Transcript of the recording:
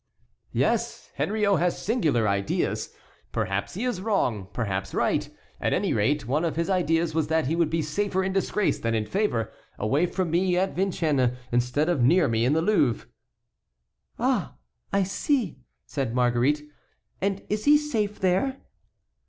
"Yes, Henriot has singular ideas. Perhaps he is wrong, perhaps right; at any rate, one of his ideas was that he would be safer in disgrace than in favor, away from me at Vincennes instead of near me in the Louvre." "Ah! I see," said Marguerite, "and is he safe there?"